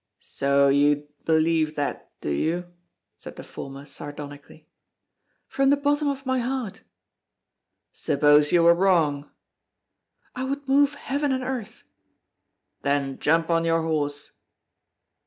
"So you believe that, do you?" said the former sardonically. "From the bottom of my heart." "Suppose you were wrong?" "I would move heaven and earth." "Then jump on your horse!"